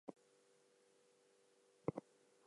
The theme music "Lou Grant" was composed by Patrick Williams.